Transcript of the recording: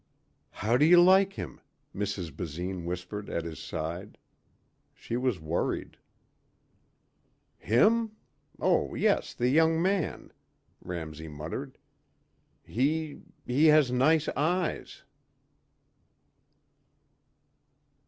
"How do you like him?" Mrs. Basine whispered at his side. She was worried. "Him? Oh yes, the young man," Ramsey muttered. "He ... he has nice eyes."